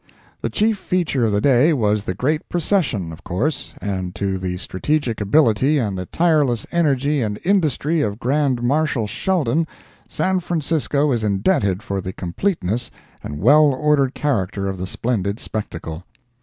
—The chief feature of the day was the great Procession, of course, and to the strategic ability and the tireless energy and industry of Grand Marshal Sheldon, San Francisco is indebted for the completeness and well ordered character of the splendid spectacle.